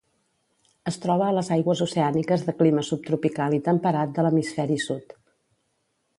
Es troba a les aigües oceàniques de clima subtropical i temperat de l'hemisferi sud.